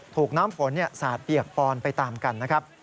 ถูกน้ำฝนสาดเปียกปอนไปตามกัน